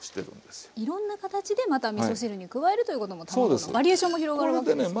いろんな形でまたみそ汁に加えるということも卵のバリエーションも広がるわけですね。